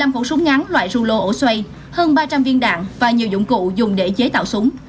một mươi năm khẩu súng ngắn loại rưu lô ổ xoay hơn ba trăm linh viên đạn và nhiều dụng cụ dùng để chế tạo súng